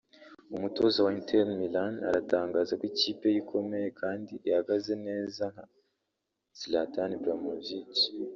umutoza wa Inter Milan aratangaza ko ikipe ye ikomeye kandi ihagaze neza nta Zlatan Ibrahimovic